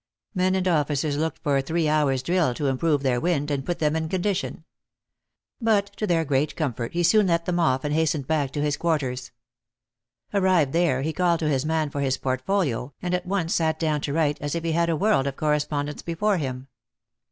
Men and officers looked for a three hours drill, to improve their wind, and put them in condition. But, to their great comfort, he soon let them off, and hastened back to his quarters. Arrived there, he called to his man for his portfolio, and at once sat down to write as if he had a world of corres pondence before him.